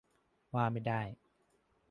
ว่าไม่ได้